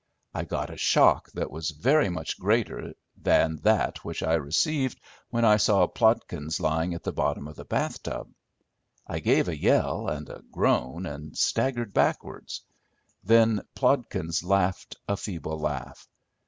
I got a shock that was very much greater than that which I received when I saw Plodkins lying at the bottom of the bath tub. I gave a yell and a groan, and staggered backwards. Then Plodkins laughed a feeble laugh.